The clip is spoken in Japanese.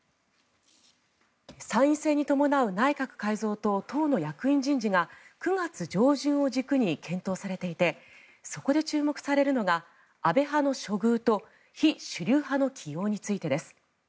参院選に伴う内閣改造と党の役員人事が９月上旬を軸に検討されていてそこで注目されるのが安倍派の処遇と非主流派の起用についてです。